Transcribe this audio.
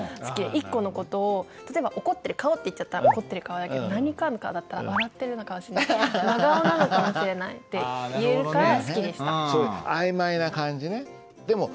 １個の事を例えば「怒ってる顔」って言っちゃったら怒ってる顔だけど「何食わぬ顔」だったら笑ってるのかもしれないし真顔なのかもしれないって言えるから好きでした。